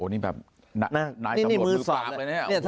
นี่แบบนายตำรวจมือมือปราปเลยนะ